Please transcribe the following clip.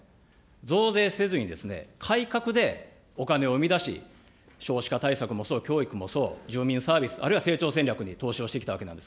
増税せずに、改革でお金を生み出し、少子化対策もそう、教育もそう、住民サービス、あるいは成長戦略に投資をしてきたわけなんです。